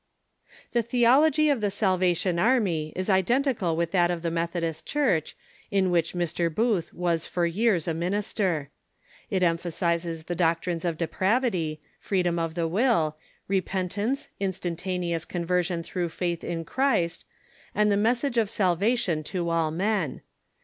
"*• The theology of the Salvation Army is identical M'ith that of the Methodist Church, in which Mr. Booth was for j ears a ,^, minister. It emphasizes the doctrines of depravitv, Theology. '.. i .^' Methods, freedom of the will, repentance, instantaneous con and Results version through faith in Christ, and tlie message of salvation to all men.